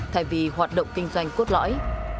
thay vì hoạt động kinh doanh cốt lõi